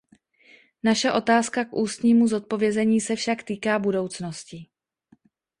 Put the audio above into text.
Naše otázka k ústnímu zodpovězení se však týká budoucnosti.